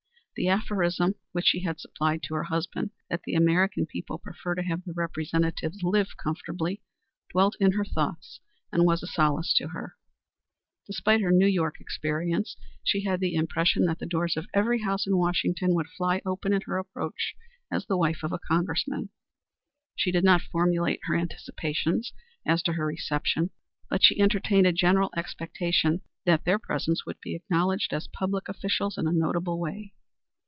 The aphorism which she had supplied to her husband, that the American people prefer to have their representatives live comfortably, dwelt in her thoughts and was a solace to her. Despite her New York experience, she had the impression that the doors of every house in Washington would fly open at her approach as the wife of a Congressman. She did not formulate her anticipations as to her reception, but she entertained a general expectation that their presence would be acknowledged as public officials in a notable way.